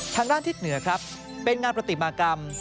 ทางด้านทิศเหนือครับเป็นงานปฏิมากรรม